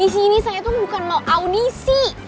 di sini saya tuh bukan mau audisi